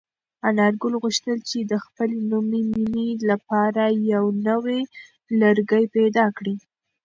انارګل غوښتل چې د خپلې نوې مېنې لپاره یو نوی لرګی پیدا کړي.